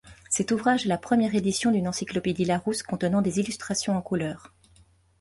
Cet ouvrage est la première édition d'une encyclopédie Larousse contenant des illustrations en couleurs.